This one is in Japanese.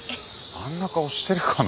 あんな顔してるかな？